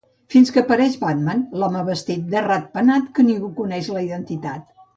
Fins que apareix Batman, l'home vestit de ratpenat, de qui ningú coneix la identitat.